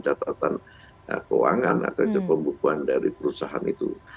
catatan catatan keuangan atau juga pembukuan dari perusahaan itu